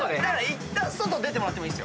いったん出てもらってもいい。